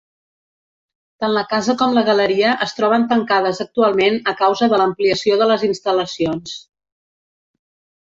Tant la casa com la galeria es troben tancades actualment a causa de l'ampliació de les instal·lacions.